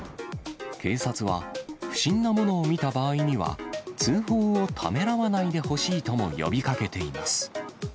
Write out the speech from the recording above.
警察は不審なものを見た場合には、通報をためらわないでほしいとも呼びかけています。